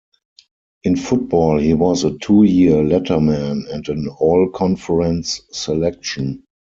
In football, he was a two-year letterman and an All-Conference selection.